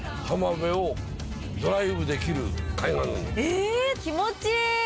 え気持ちいい！